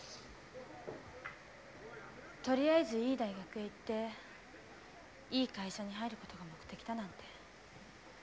とりあえずいい大学へ行っていい会社に入ることが目的だなんて。